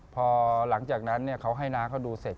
พอหลังจากนั้นเขาให้น้าเขาดูเสร็จ